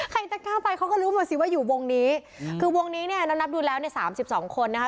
ใครจะกล้าไปเขาก็รู้หมดสิว่าอยู่วงนี้คือวงนี้เนี่ยเรานับดูแล้วในสามสิบสองคนนะคะ